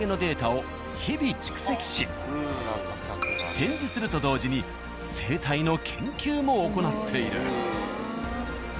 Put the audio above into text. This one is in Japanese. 展示すると同時に生態の研究も行っている。